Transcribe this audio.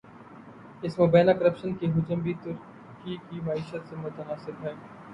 اس مبینہ کرپشن کا حجم بھی ترکی کی معیشت سے متناسب ہے۔